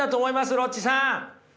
ロッチさん！